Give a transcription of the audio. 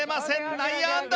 内野安打。